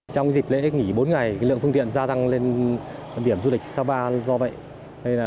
trong dịp lễ nghỉ bốn ngày lượng phương tiện gia tăng lên điểm du lịch sapa do vậy